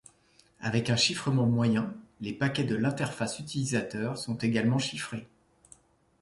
Avec un chiffrement moyen, les paquets de l'Interface Utilisateur sont également chiffrés.